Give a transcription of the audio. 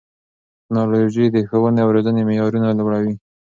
ټیکنالوژي د ښوونې او روزنې معیارونه لوړوي.